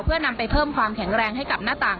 เพื่อนำไปเพิ่มความแข็งแรงให้กับหน้าต่าง